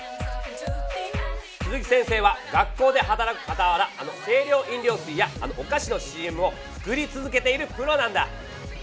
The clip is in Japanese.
鈴木先生は学校で働くかたわらあの清涼飲料水やあのおかしのＣＭを作り続けているプロなんだ。